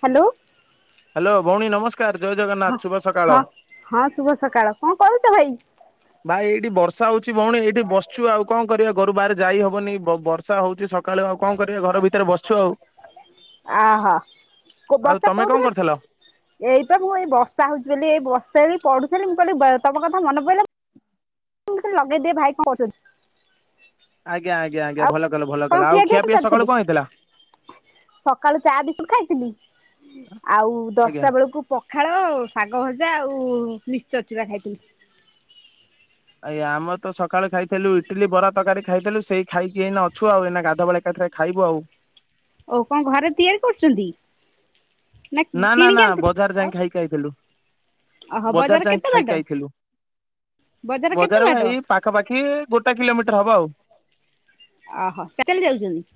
Hello. Hello ଭଉଣୀ ନମସ୍ ସ୍କାର ଜୟ ଜଗନ୍‌ ହଁ ହଁ ହଁ ଶୁଭ ସକାଳ କଣ କରୁଛ ଭାଇ? ଭାଇ ଏଇଠି ବର୍ଷା ହଉଛି ଭଉଣୀ ଏଇଠି ବସିଛୁ ଆଉ କଣ କରିବା ଘରୁ ବାହାରେ ଯାଇ ହବନି ବର୍ଷା ହଉଛି। ସ ସକାଳୁ ଆଉ କଣ କରିବା ଘର ଭିତରେ ବସିଛୁ ଆଉ। ଆହା କୋ ଆଉ ବର୍ଷା ତମେ କୋଉ କଣ କରିଥିଲ? ଦିନଠୁ ଏଇ ପା ମୁଁ ଏଇ ବର୍ଷା ହଉଛି ବୋଲି ଏଇ ବର୍ଷା ବି ପଢୁଥିଲା ମୁଁ କହିଲି ତମ କଥା ମନେ ପଇଲା। ମୁଁ କହିଲି ଲଗେଇଦିଏ ଭାଇ କଣ କରୁଛନ୍ତି। ଆଜ୍ଞା ଆଜ୍ଞା ଆଜ୍ଞା ଆଉ ଭଲ କଲ ଭଲ କଣ କଲ ଆଉ ଖିଆ କରି ପିଆ ସକାଳୁ ସାରିଥିଲି କଣ ହେଇଥିଲା? ସକାଳୁ ଚା ବିସ୍କୁଟ ଖାଇଥିଲି ଆଉ ଆଜ୍ଞା। ଦଶଟା ବେଳକୁ ପଖାଳ, ଶାଗ ଭଜା, ଆଉ ମିଶ୍ଚର ଚୁରା ଖାଇଥିଲି ଆଜ୍ଞା ଆମର ତ ସକାଲେ ଖାଇଥିଲି ଇଟିଲି ବରା ତରକାରୀ ଖାଇଥିଲୁ ସେଇ ଖାଇକି ଏଇନା ଅଛୁ ଆଉ ଏଇନା ଗାଧୁଆ ବେଳେ ଏକାଥର ରେ ଖାଇବୁ ଆଉ। ଓହୋ କଣ ଘରେ ତିଆରି କରିଛନ୍ତି? ନା ନା କିଣିକି ଆନ୍ତୁ ବଜାର ଯାଇ ଆଉ ଖାଇକି ଆଇଥିଲୁ ଓହୋ ବଜାର ଯାଇ କେତେ ଖାଇକି ବାଟ ଆଇଥିଲୁ। ବଜାର କେତେ ବା ବାଟ ଏଇ ପାଖାପାଖି ଗୋଟେ କିଲୋମିଟର ହବ ଆଉ। ଆହ ଚିକେନ ଯାଉଚନ୍ତି?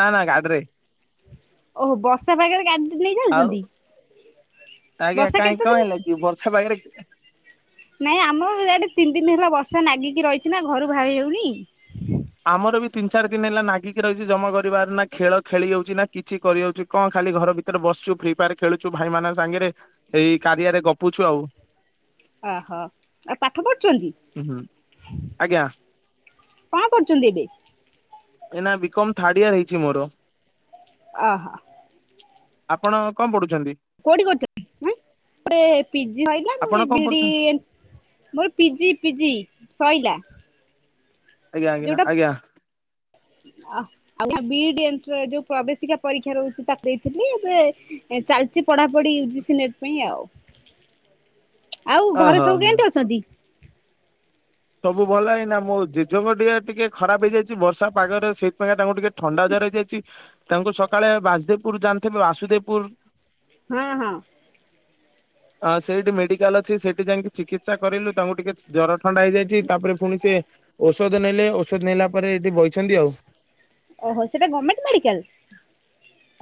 ନା ନା ଗାଡ଼ିରେ। ଓହୋ ବର୍ଷା ପାଗରେ ଗାଡି ନେଇକି ଆଉ ଯାଉଚନ୍ତି। ଆଜ୍ଞା କାଇଁ କଣ ହେଲା କି ବର୍ଷା ପାାଗରେ ନାଇଁ ଆମର ହିଆଡେ ତିନି ଦିନି ହେଲା ବର୍ଷା ନାଗିକି ରହିଛି ନା ଘରୁ ବାହାରି ହୋଉନି। ଆମର ବି ତିନି ଚାରି ଦିନ ହେଲା ନାଗିକି ରହିଛି ଜମା ଘରୁ ବାହାରୁନା ଖେଳ ଖେଳି ହୋଉଚି ନା କିଛି କରି ହୋଉଚି। କଣ ଖାଲି ଘର ଭିତରେ ବସଛୁ ଫ୍ରି ଫାୟାର ଖେଳୁଛୁ ଭାଇ ମାନଙ୍କ ସାଙ୍ଗରେ ଏଇ କାରିଆରେ ଗପୁଛୁ ଆଉ ଅହ ଆଉ ପାଠ ପଢୁଛନ୍ତି। ହୁଁ ଆଜ୍ଞା କଣ କରୁଚନ୍ତି ଏବେ? ଏଇ ନା ବିକମ୍ ଥାଡିଆ ହେଇଚି ମୋର। ଆହା। ଆପଣ କଣ ପଢୁଚନ୍ତି? କୋଉଠି କରୁଚନ୍ତି ହେପଟେ ପିଜି ଆପଣ ଆଇଲାନି କଣ ବିଡି ପଢୁଛନ୍ତି? ଏ ମୋର ପିଜି ପିଜି ସଇଲା। ଆଜ୍ଞା ଆଜ୍ଞା ଯୋଉଟା ଆଜ୍ଞା। ଆଉ ଯୋଉ ବିଡ଼ି ଏଟ୍ରା ପ୍ରବେଶିକା ପରୀକ୍ଷା ରେ ତାକୁ କହିଥିଲି ଏବେ ଏ ଚାଲିଚି ପଢ଼ାପଢ଼ି ୟୁ ଜି ସି ନେଟ୍ ପାଇଁ ଆଉ [inaudible] ଆଉ ଘରେ ଓହୋ ସବୁ ହୋ। କେନ୍ତି ଅଛନ୍ତି। ସବୁ ଭଲ ଏଇନା ମୋ ଜେଜମା ଦେହ ଟିକେ ଖରାପ ହେଇଯାଇଚି ବର୍ଷା ପାଗରେ ସେଇଥିପାଇଁ ଆଉ ତାଙ୍କୁ ଟିକେ ଥଣ୍ଡା ଜର ହେଇଯାଇଚି ତାଙ୍କୁ ସକାଳେ ବାସଦେବପୁର ଜାଣିଥିବେ ବାସୁଦେବପୁର। ହଁ ହଁ। ହଁ ସେଇଠି ମେଡିକାଲ ଅଛି ସେଠି ଯାଇକି ଚିକିତ୍ସା କରେଇଲୁ ତାଙ୍କୁ ଟିକେ ଜ୍ୱର ଠଣ୍ଡା ହେ ଛି ତାପରେ ଫୁଣି ସିଏ ଔଷଧ ନେଲେ ଔଷଧ ନେଲା ପରେ ଏଇଠି ବଇଛନ୍ତି ଆଉ। ଓହୋ ସେଟା ଗମେଣ୍ଟ ମେଡିକାଲ।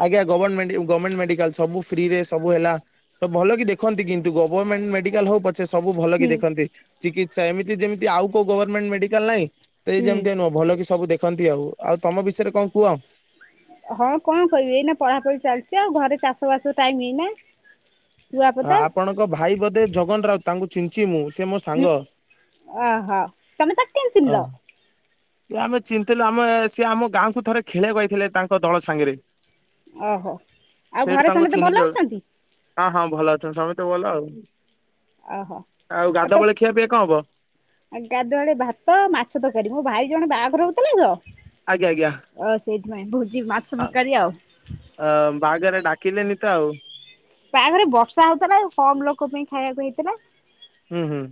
ଆଜ୍ଞା [unintelligible] ଗମେଣ୍ଟ ମେଡିକାଲ ସବୁ ଫ୍ରିରେ ସବୁ ହେଲା। ସବୁ ଭଲ କି ଦେଖନ୍ତି କିନ୍ତୁ ଗଭରମେଣ୍ଟ ମେଡିକାଲ୍ ହୋଉ ପ ଛେ ସବୁ ଭଲ କିି ହୁଁ ଦେଖନ୍ତି ଚିକିତ୍ସା ଏମିତି ଯେମିତି ଆଉ କୋଉ ଗଭରମେଣ୍ଟ ମେଡିକାଲ ନାଇଁ। ଏଇ ହୁଁ। ଯେମିତିଆ ନୁହଁ ଭଲ କି ସବୁ ଦେଖନ୍ତି ଆଉ ଆଉ ତମ ବିଷୟରେ କଁ କୁହ? ହଁ କଣ କହିବି ଏଇନା ପଢାପଢି ଚାଲିଚି ଆଉ ଘରେ ଚାଷ ବାସ ଟାଇମ୍ ଏଇନା। ଶୁଆପଦା ଆପଣଙ୍କ ଭାଇ ବୋଧେ ଜଗନ ରାଉତ ତାଙ୍କୁ ଚିହ୍ନିଚି ମୁଁ ସେ ମୋ ସାଙ୍ଗ। ହୁଁ ଅଃ ତମେ ତାକୁ କେନ୍ତି ଚିହ୍ନିଲ। ସିଏ ଆମେ ଚୀନଥିଲୁ ଆମେ ସିଏ ଆମ ଗାଁକୁ ଥରେ ଖେଳିଆକୁ ଆସିଥିଲେ ତାଙ୍କ ଦଳ ସାଙ୍ଗେରେ। ଅହୋ ଆଉ ଘରେ ତାଙ୍କୁ ସମତେ ଚିହ୍ନିଲୁ ଭଲ ଅଛନ୍ତି। ହଁ ହଁ ଭଲ ଅଛନ୍ତି ସମତେ ଭଲ ଆଉ। ଆଉ ଗାଧ ବେଳେ ଖିଆ ପିଆ କଣ ହବ [unintelligible] [unintelligible] ଗାଧୁଆବୋଳେ ଭାତ ମାଛ ତରକାରୀ ମୋ ଭାଇ ଜଣେ ବାହାଘର ହୋଉଥୁଲା ତ ଆଜ୍ଞା ଆଜ୍ଞା। ଅ ସେଇଥି ପାଇଁ ଭୋଜି ମାଛ ତରକାରୀ ଆଉ। ଅ ବାହାଘରେ ଡାକିଲେନି ତ ଆଉ। ବାହାଘରେ ବର୍ଷା ହୋଉଥେଲା କମ୍ ଲୋକୋ ପାଇଁ ଖାଇଆକୁ ହେଇଥିଲା। ହୁଁ ହୁଁ।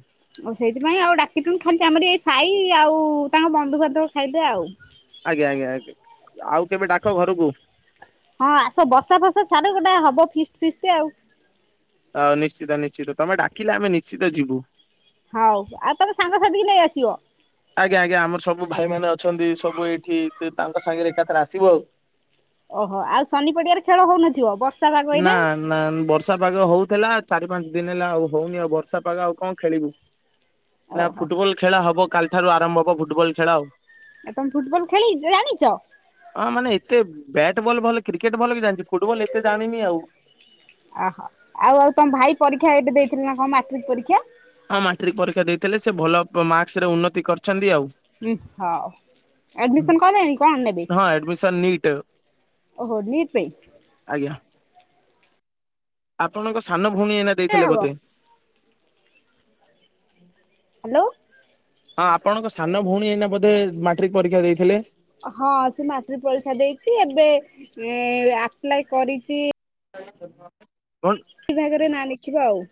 ଆଉ ସେଇଥିପାଇଁ ଆଉ ଡାକି ଲୁନୁ ଖାଲି ତ ଆମର ଏଇ ସାଇ ଆଉ ତାଙ୍କ ବନ୍ଧୁବାନ୍ଧବ ଖାଇଲେ ଆଉ। ଆଜ୍ଞା ଆଜ୍ଞା ଆଜ୍ଞା ଆଉ କେବେ ଡାକ ଘରୁକୁ। ହଁ ଆସ ବର୍ଷା ଫର୍ଷା ଛାଡୁ ଗୋଟାଏ ହବ ଫିଷ୍ଟ ଫିଷ୍ଟ ଆଉ। ହଉ ନିଶ୍ଚିତ ନିଶ୍ଚିତ ତମେ ଡାକିଲେ ଆମେ ନିଶ୍ଚିତ ଯିବୁ। ହଉ ଆଉ ତମେ ସାଙ୍ଗସାଥି କି ନେଇ ଆସିବ। ଆଜ୍ଞା ଆଜ୍ଞା ଆମର ସବୁ ଭାଇ ମାନେ ଅଛନ୍ତି ସବୁ ଏଇଠି ସେ ତାଙ୍କ ସାଙ୍ଗେରେ ଏକାଥରେ ଆସିବୁ ଆଉ। ଓହୋ ଆଉ ଶନି ପଡିଆରେ ଖେଳ ହୋଉନଥିବ ବର୍ ନାଁ। ନା ବର୍ଷା ପାଗ ହୋଉଥେଲା ଚାରି ପାଞ୍ଚ ଦିନ ହେଲା ଆଉ ହୋଉନି ଆଉ ବର୍ଷା ପାଗ ଆଉ କଁ ଖେଳିବୁ। ଏଇନା ଓହୋ ଫୁଟବଲ ଖେଳା ହବ କାଲି ଠାରୁ ଆରମ୍ଭ ହବ ଫୁଟବଲ ଖେଳା ଆଉ। ଆଉ ତମେ ଫୁଟବଲ ଖେଳି ଜାଣିଚ। ହଁ ମାନେ ଏତେ ବ୍ୟାଟ୍ ବଲ୍ ଭଲ କ୍ରିକେଟ୍ ଭଲ କି ଜାଣ [unintelligible] ଫୁଟବଲ ଏତେ ଜାଣିନି ଆଉ। ଆଃ ଆଉ ଆଉ ତମ ଭାଇ ପରୀକ୍ଷା ଏବେ ଦେଇଥିଲେ ନା କଁ ମାଟ୍ରିକ ପରୀକ୍ଷା। ହଁ ମାଟ୍ରିକ ପରୀକ୍ଷା ଦେଇଥିଲେ ସେ ଭଲ ପ ମାକ୍ସ ରେ ଉନ୍ନତି କରିଛନ୍ତି ଆଉ। [unintelligible] ଆଡ଼ମିଶନ୍ କଲେଣିି କଣ ନେବେ। ହଁ ଆଡ଼ମିଶନ୍ ନିଟ୍ ଓହୋ ନିଟ୍ ପେଇଁ। ଆଜ୍ଞା। ଆପଣଙ୍କ ସାନ ଭଉଣୀ ଏଇନା ଦେଇଥିଲେ ହବ ବୋଧେ। ହାଲୋ। ହଁ ଆପଣଙ୍କ ସାନ ଭଉଣୀ ଏଇନା ବୋଧେ ମାଟ୍ରିକ ପରୀକ୍ଷା ଦେଇଥିଲେ। ହଁ ସେ ମାଟ୍ରିକ ପରୀକ୍ଷା ଦେଇଛି ଏବେ ଏ ଆପ୍ଲାଏ କରିଚି [unintelligible] ଚି ଭାଗରେ ନାଁ ଲେଖିବ ଆଉ।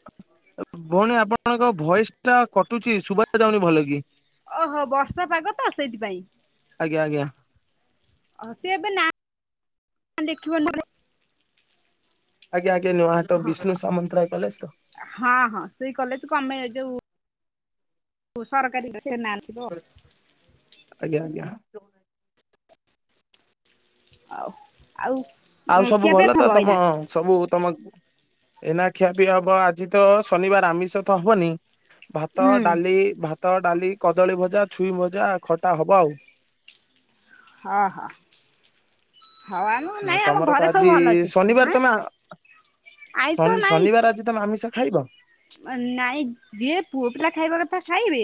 ଭଉଣୀ ଆପଣଙ୍କ ଭଏସ ଟା କଟୁଛି ଶୁବା ଯାଉନି ଭଲକି। ଓହୋ ବର୍ଷା ପାଗ ତ ସେଇଥିପାଇଁ। ଆଜ୍ଞା ଆଜ୍ଞା। ଅ ସିଏ ଏବେ ନା [unintelligible] ଆଜ୍ଞା ଆଜ୍ଞ ନୂଆ ହାଟ ହଁ ବିଷ୍ଣୁ ସାମନ୍ତରାୟ କଲେଜ ତ। ହଁ ହଁ ସେଇ କଲେଜ କୁ ଆମେ ଯୋଉ ଓ ସରକାରୀ [unintelligible] ସେ ନା ଆଜ୍ଞା ଆଜ୍ଞା। ଆଉ ଆଉ ଆଉ ସବୁ ଖିଆପିଆ ଭଲ ତ ଥବ ତମ ଏଇନା ସବୁ ତମ ଏଇନା ଖିଆ ପିଆ ହବ ଆଜି ତ ଶନିବାର ଆମିଷ ତ ହବନି ଭାତ ହୁଁ ଡାଲି ଭାତ ଡାଲି କଦଳୀ ଭଜା ଛୁଇଁ ଭଜା ଖଟା ହବ ଆଉ। ହଁ ହଁ। ହଉ ଆମ ନାଇଁ ଆମ ତମର ତ ଘରେ ସବୁ ଆଜି ଭଲ ଅଛନ୍ତି ଶନିବାର ହଁ ତମେ ଆଁ ଆଇଁଷ ଶନି ଶନିବାର ଆଜି ତମ୍ ଆମିଷ ଖାଇବ। ଅ ନାଇଁ ଯିଏ ପୁଅ ପିଲା ଖାଇବା କଥା ଖାଇବେ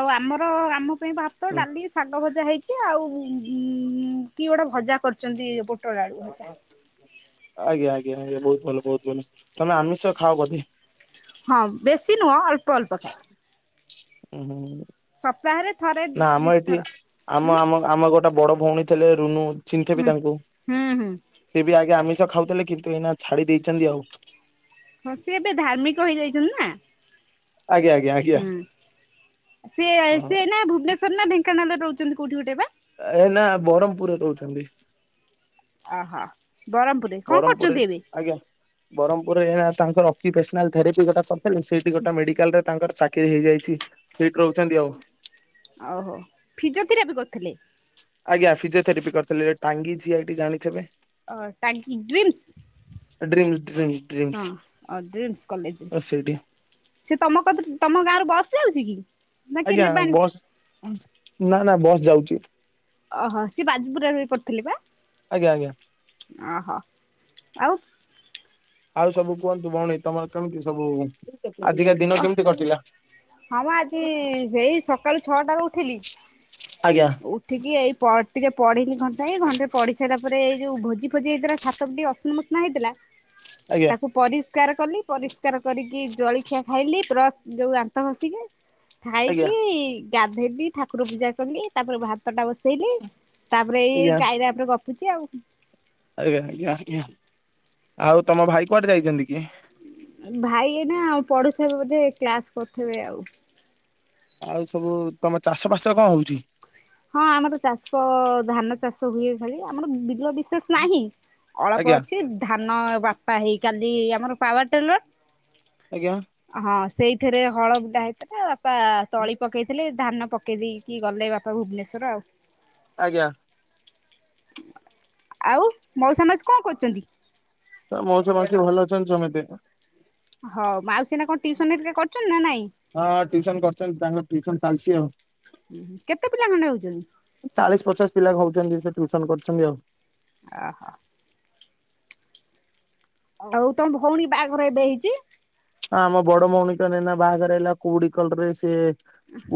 ଆଉ ଆମର ଆମ ମ ପାଇଁ ଭାତ ହୁଁ ଡାଲି ଶାଗ ଭଜା ହେଇଛି ଆଉ କି ଗୋଟେ ଭଜା କରିଛନ୍ତି ଏ ପୁ ଟଳ ଆଳୁ ଭଜା। ଆଜ୍ଞା ଆଜ୍ଞା ଆଜ୍ଞା ବହୁତ ଭଲ ବହୁତ ଭଲ ତମେ ଆମିଷ ଖାଅ କଧେ। ହଁ ବେଶୀ ନୁହଁ ଅଳ୍ପ ଅଳ୍ପ। ଉଁ ହୁଁ। ସପ୍ତାହରେ ଥରେ ନା ଆମ ଏଠି ଦିଥର ଆମ ହୁଁ ଆମ ଆମ ଗୋଟେ ବଡ ଭଉଣୀ ଥିଲେ ରୁନୁ ଚିନ୍ଥେବେ ହୁଁ ତାଙ୍କୁ। ହୁଁ ହୁଁ ସେ ବି ଆଜ୍ଞା ଆମିଷ ଖାଉଥିଲେ କିନ୍ତୁ ଏଇନା ଛାଡି ଦେଇଛନ୍ତି ଆଉ। ହ ସେ ଏବେ ଧାର୍ମିକ ହେଇଯାଇଛନ୍ତି ନା। ଆଜ୍ଞା ଆଜ୍ଞା ଆ ହୁଁ ସିଏ ସିଏ ହଁ ନା ଭୁବନେଶ୍ଵର ନା ଢେଙ୍କାନାଳ ରେ ରହୁଛନ୍ତି କୋଉଠି ଗୋଟେ ବା। ଏ ନା ବରହ୍ମ୍ ପୁରରେ ରୋହୁଛନ୍ତି। ଓହୋ। ବ୍ରହ୍ମପୁରରେ କଣ ବରମ୍ ପୁରରେ କରୁଛନ୍ତି ଏବେ? ଆଜ୍ଞା। ବରହ୍ପୁପୁରରେ ଏ ଆ ତାଙ୍କର ଅକ୍ଚିଫେସନାଲ ଥେରାପି ଗୋଟା କରିଥିଲେ ସେଠି ଗୋଟା ମେଡିକାଲ ରେ ତାଙ୍କର ଚା କିରି ହେଇଛି ସେଇଠି ରହୁଛନ୍ତି ଆଉ। ଫିଜୋ ଥିରାପି କରିଥିଲେ? ଆଜ୍ଞା ଫିଜିଓଥେରାପି କରିଥିଲେ ଟାଙ୍ଗି ଜି ଆଇ ଟି ଜାଣିଥିବେ। ଅ ଟାଙ୍ଗି ଡ୍ରିମ୍ସ। ଏ ଡ୍ର୍ରୀମ୍ଶ୍ ଡ୍ର୍ରୀମ୍ଶ୍ [inaudible] ସେଇଠି ସେ ତମ କ ତମ ଗାଁରୁ ବସ ଯାଉଛି କି? ନା କିଏ ଆଜ୍ଞା ନେବାଣି? ବସ୍ ନା ନା ବସ୍ ଯାଉଛି। ଓହୋ ସିଏ ବାଜପୁରରେ ବି ପଥିଲେ ବା ଆଜ୍ଞା ଆଜ୍ଞା ଓହୋ ଆଉ ଆଉ ସବୁ କୁହନ୍ତୁ ଭଉଣୀ ତମର କେମିତି ସବୁ ଆଜିକା ଦିନ ଅ କେମିତି କଟିଲା ହଁ ମା ଆଜି ସେଇ ସକାଳୁ ଛଅଟ ର ଉଠିଲି। ଆଜ୍ଞା। ଉଠିକି ଏଇ ପ ଟିକେ ପଢିନି ଘଣ୍ଟା ଏଇ ଘଣ୍ଟା ପଢି ସାରିଲା ପରେ ଏଇ ଯୋଉ ଭୋଜି ଫୋଜି ହେରା ସା ସବୁ ଟିକେ ଅସନା ମସନା ହେଇଥିଲା ଆଜ୍ଞା ତାକୁ ପରିଷ୍କାର କଲି ପରିଷ୍କାର କରିକି ଜଳଖିଆ ଖାଇଲି, ବ୍ରସ ଯୋଉ ଦାନ୍ତ ଘସିକି। ଆଜ୍ଞା ଖାଇକି ଗାଧେଇଲି ଠାକୁର ପୂଜା କଲି ତାପରେ ଭ ଖତଟା ବସେଇଲି ତାପରେ ଆଜ୍ଞା ଏଇ ଗାଇରା ଉପରେ ଗପୁଛି ଆଉ। ଆଜ୍ଞା ଆଜ୍ଞା ଆଜ୍ଞା ଆଉ ତମ ଭାଇ କୁଆଡେ ଯାଇଛନ୍ତି କି? ଭାଇ ଏ ନା ଆଉ ପଢୁଥିବେ ବୋଧେ କ୍ଲାସ କରିୁଥିବେ ଆଉ। ଆଉ ସବୁ ତମ ଚାଷ ଫସରେ କଣ ହଉଛି। ହଁ ଆମର ଚାଷ ଧାନ ଚାଷ ହୁଏ ଖାଲି, ଆମର ବିର ବିଶେଷ ନାହିଁ ଅଳ୍ପ ଆଜ୍ଞା ଅଛି ଧାନ ବାଟତା ହେଇ କାଲି ଆମର ପାୱାର ଟେଲର। ଆଜ୍ଞା। ହଁ ସେଇଥିରେ ହଳ ବୁଟା ହେଇଥିଲା ବାପା ତଳି ପକେଇଥିଲେ। ଧାନ ପକେଇ ଦେଇେଇକି ଗଲେ ବାପା ଭୁବନେସ୍ୱର ଆଉ। ଆଜ୍ଞା। ଆଉ ମଉଶା ମାଉସୀ କଣ କରୁଛନ୍ତି? ତ ମଉଶା ମାଉସୀ ଆ ଭଲ ଅଛନ୍ତି ସମସ୍ତେ। ହଁ ଆଉ ସିନା କଣ ଟଟିୁସନ ରେ ଟିକ କର କରିଛନ୍ତି ନା ନାଇଁ? ହଁ ଟିଉସନ କରୁଛନ୍ତି ତାଙ୍କ ଟଟିୁସନ ଚାଲିଛି ଆଉ। ହୁ କେତେ ପିଲା ଖଣ୍ଡେ [unintelligible] ହେଉଛନ୍ତି? ଚାଳିଶ ପଚାଶ ପିଲା ହଉଛନ୍ତି ସେ ଟ୍ୟୁସନ କରିଛନ୍ତି ଆଉ। ଓହୋ। ଆଉ ତମ ଭଉଣୀ ବାହାଘରେ ଏବେ ହେଇଛି। ହଁ ଆମ ବଡ ଭଉଣୀ ତ ନେନା ବାହାଘର ହେଲା, କୋଉଡି ସେ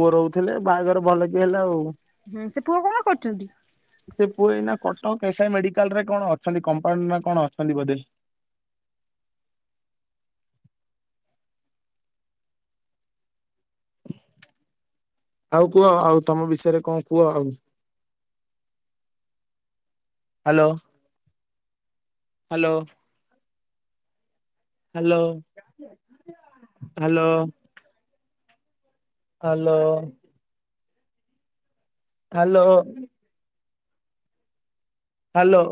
ପୁଅ ଥିଲେ ବାହାଘର ଭଲ କି ହେଲା ଆଉ। ହୁଁ ସେ ପୁଅ କଣ କରୁଛନ୍ତି? ସେ ପୁଏଇ ନା କଟକ ଏସଆଇ ମେଡିକାଲ ରେ କଣ ଅଛନ୍ତି କମ୍ପାଉଣ୍ଡରେ କଣ ଅଛନ୍ତି ବୋଧେ। ଆଉ କୁହ ଆଉ ତମ ବିଷୟରେ କଣ କୁହ ଆଉ? Hello hello. Hello hello. Hello. Hello. Hello.